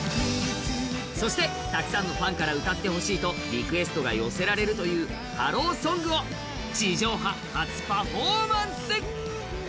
そしてたくさんのファンから歌ってほしいとリクエストが寄せられる「ＨｅｌｌｏＳｏｎｇ」を地上波初パフォーマンス。